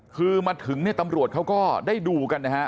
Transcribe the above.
คือมาถึงตำรวจเขาก็ได้ดูกันนะครับ